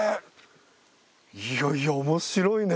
いやいや面白いね。